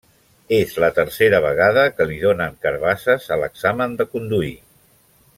És la tercera vegada que li donen carabasses a l'examen de conduir.